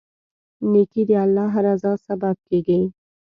نیکي د الله رضا سبب کیږي.